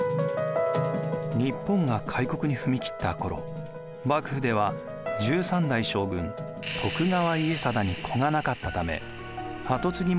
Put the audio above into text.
日本が開国に踏み切った頃幕府では１３代将軍・徳川家定に子がなかったためあと継ぎ